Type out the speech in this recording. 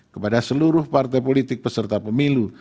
kepada seluruh partai politik peserta pemilu